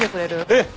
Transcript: えっ！？